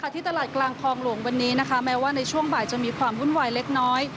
ที่ตลาดกลางคลองหลวงวันนี้นะคะแม้ว่าในช่วงบ่ายจะมีความวุ่นวายเล็กน้อย